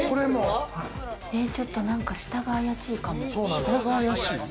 ちょっとなんか下が怪しいかも。